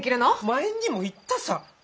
前にも言ったさ。